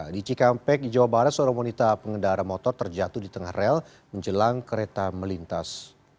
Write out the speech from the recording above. di cikampek di jawa barat seorang wanita pengendara motor terjatuh di tengah rel menjelang kereta melintas